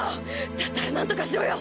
だったら何とかしろよ！